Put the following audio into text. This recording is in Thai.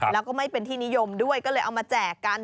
แล้วก็ไม่เป็นที่นิยมด้วยก็เลยเอามาแจกกัน